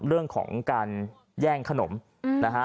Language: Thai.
เรื่องของการแย่งขนมนะฮะ